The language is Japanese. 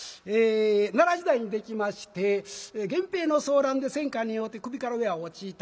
奈良時代にできまして源平の争乱で戦火に遭うて首から上は落ちた。